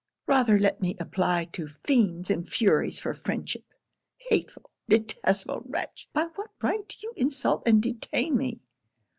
'Rather let me apply to fiends and furies for friendship! hateful, detestable wretch! by what right do you insult and detain me?'